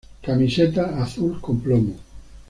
Camiseta:Azul con plomo.